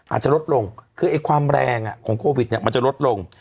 อาจจะลดลงคือไอ้ความแรงของโควิดเนี่ยมันจะลดลง